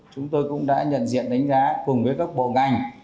chúng tôi cũng đã nhận diện đánh giá cùng với các bộ ngành